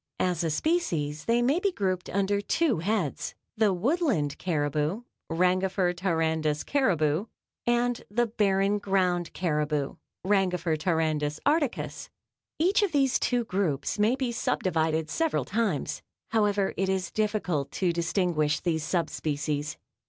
As a species they may be grouped under two heads the Woodland caribou (Rangifer tarandus caribou) and the barren ground caribou (Rangifer tarandus articus). Each of these two groups may be sub divided several times. However, it is difficult to distinguish these sub species.